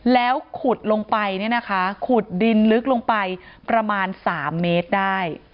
แล้วขุดลงไปเนี่ยนะคะขุดดินลึกลงไปประมาณ๓เมตรได้